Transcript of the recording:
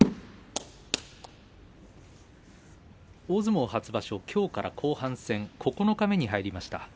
大相撲初場所きょうから後半戦九日目に入りました。